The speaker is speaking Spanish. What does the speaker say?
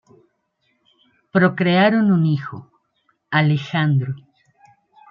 Procrearon un hijo, Alejandro.